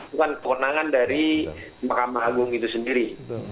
diperkenalkan dari mahkamah agung itu sendiri